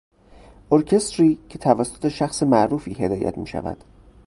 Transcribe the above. ارکستری که توسط شخص معروفی هدایت میشود